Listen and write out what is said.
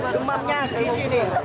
gemamnya di sini